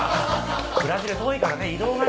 ブラジル遠いからね移動がね。